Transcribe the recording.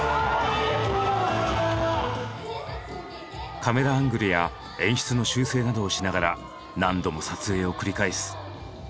カメラアングルや演出の修正などをしながら何度も撮影を繰り返す。